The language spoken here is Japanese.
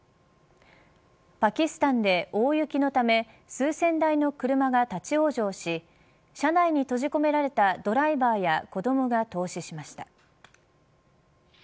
パキスタンで大雪のため数千台の車が立ち往生し車内に閉じ込められたドライバーや子どもが凍死しました。